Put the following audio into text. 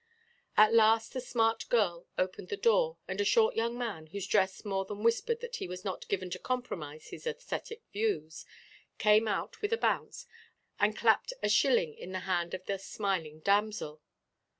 At last the smart girl opened the door, and a short young man, whose dress more than whispered that he was not given to compromise his æsthetic views, came out with a bounce, and clapped a shilling in the hand of the smiling damsel.